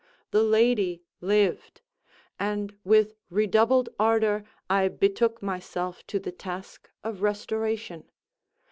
The lady lived; and with redoubled ardor I betook myself to the task of restoration.